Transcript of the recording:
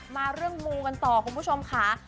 มาเรื่องมูกันต่อคุณผู้ชมค่ะ